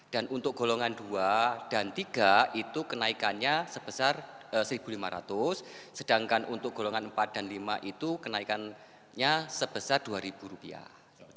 dan untuk golongan dua dan tiga itu kenaikannya sebesar seribu lima ratus sedangkan untuk golongan empat dan lima itu kenaikannya sebesar dua ribu rupiah